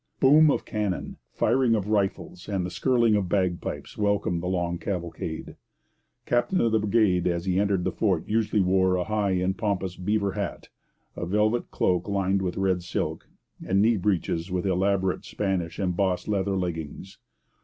Boom of cannon, firing of rifles, and skirling of bagpipes welcomed the long cavalcade. The captain of the brigade as he entered the fort usually wore a high and pompous beaver hat, a velvet cloak lined with red silk, and knee breeches with elaborate Spanish embossed leather leggings.